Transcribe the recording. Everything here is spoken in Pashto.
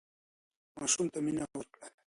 ماشوم ته مينه ورکړه